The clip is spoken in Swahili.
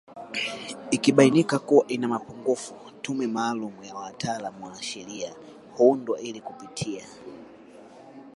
Ikibainika kuwa ina mapungufu tume maalumu ya wataalamu wa sheria huundwa ili kupitia